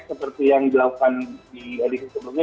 seperti yang dilakukan di edisi sebelumnya